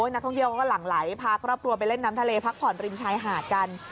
นักท่องเที่ยวก็หลั่งไหลพาครอบครัวไปเล่นน้ำทะเลพักผ่อนริมชายหาดกัน